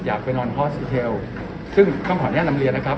อยากไปนอนซึ่งต้องขออนุญาตนำเรียนนะครับ